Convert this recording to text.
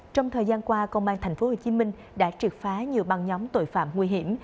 trong thời gian qua công an tp hcm đã triệt phá nhiều băng nhóm tội phạm nguy hiểm